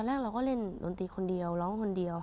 แรกเราก็เล่นดนตรีคนเดียวร้องคนเดียว